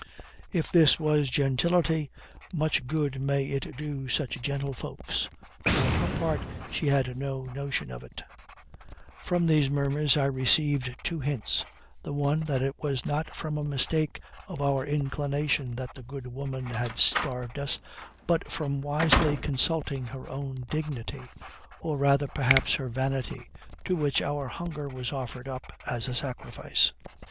If this was gentility, much good may it do such gentlefolks; for her part she had no notion of it." From these murmurs I received two hints. The one, that it was not from a mistake of our inclination that the good woman had starved us, but from wisely consulting her own dignity, or rather perhaps her vanity, to which our hunger was offered up as a sacrifice.